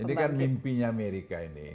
ini kan mimpinya amerika ini